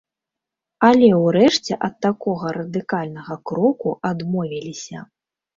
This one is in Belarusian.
Але ўрэшце ад такога радыкальнага кроку адмовіліся.